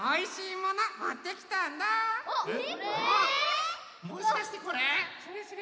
もしかしてこれ？